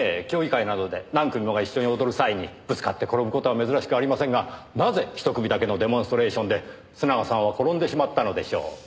競技会などで何組もが一緒に踊る際にぶつかって転ぶ事は珍しくありませんがなぜ一組だけのデモンストレーションで須永さんは転んでしまったのでしょう？